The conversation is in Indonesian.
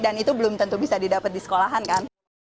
dan itu belum tentu bisa didapet di sekolahan kan